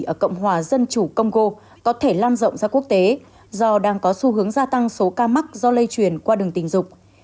ở cộng hòa dân chủ congo có thể lan rộng ra quốc tế do đang có xu hướng gia tăng số ca mắc do lây truyền qua đường tình dục